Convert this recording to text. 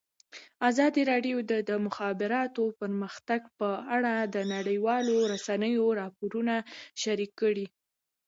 ازادي راډیو د د مخابراتو پرمختګ په اړه د نړیوالو رسنیو راپورونه شریک کړي.